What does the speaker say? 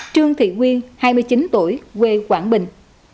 trương thị nguyên hai mươi chín tuổi quê quảng bình